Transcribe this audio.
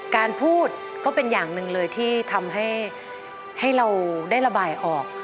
การพูดก็เป็นอย่างหนึ่งเลยที่ทำให้เราได้ระบายออก